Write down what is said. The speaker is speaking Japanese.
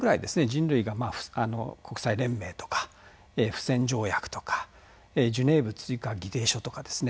人類が国際連盟とか不戦条約とかジュネーブ追加議定書とかですね